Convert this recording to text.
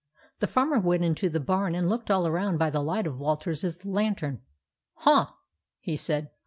The Farmer went into the barn and looked all around by the light of Walter's lantern. "Huh!" he said.